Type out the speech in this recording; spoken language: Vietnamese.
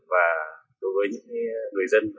và đối với những người dân